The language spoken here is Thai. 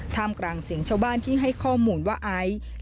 กลางเสียงชาวบ้านที่ให้ข้อมูลว่าไอซ์